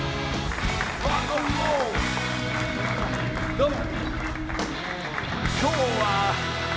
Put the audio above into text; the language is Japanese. どうも！